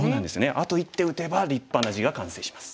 あと１手打てば立派な地が完成します。